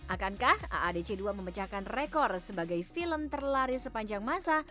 akankah aadc dua memecahkan rekor sebagai film terlari sepanjang masa